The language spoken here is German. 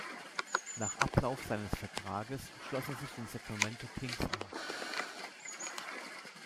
Nach Ablauf seines Vertrages schloss er sich den Sacramento Kings an.